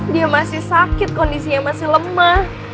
dia masih sakit kondisinya masih lemah